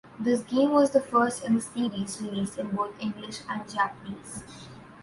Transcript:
This game was the first in the series released in both English and Japanese.